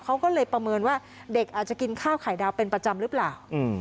เขาก็เลยประเมินว่าเด็กอาจจะกินข้าวไข่ดาวเป็นประจำหรือเปล่า